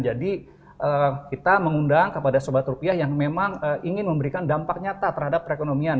jadi kita mengundang kepada sobat rupiah yang memang ingin memberikan dampak nyata terhadap perekonomian